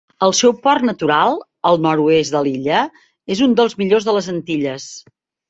El seu port natural, al nord-oest de l'illa, és un dels millors de les Antilles.